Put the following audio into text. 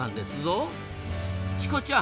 チコちゃん！